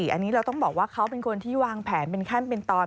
อันนี้เราต้องบอกว่าเขาเป็นคนที่วางแผนเป็นขั้นเป็นตอน